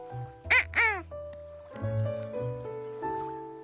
うん？